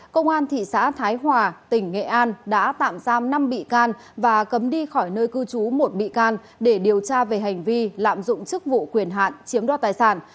công an thị xã thái hòa tỉnh nghệ an đã tạm giam năm bị can và cấm đi khỏi nơi cư trú một bị can để điều tra về hành vi lạm dụng chức vụ quyền hạn chiếm đoạt tài sản